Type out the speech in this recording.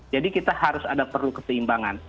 jadi kita harus ada perlu keseimbangan